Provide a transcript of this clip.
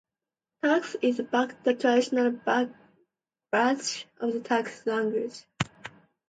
"Texas" is backed by the traditional badge of the Texas Rangers.